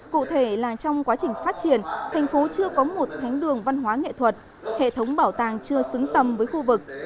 cụ thể là trong quá trình phát triển thành phố chưa có một thánh đường văn hóa nghệ thuật hệ thống bảo tàng chưa xứng tầm với khu vực